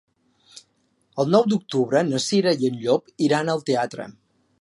El nou d'octubre na Cira i en Llop iran al teatre.